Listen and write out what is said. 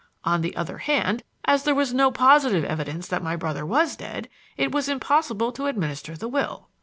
On the other hand, as there was no positive evidence that my brother was dead, it was impossible to administer the will."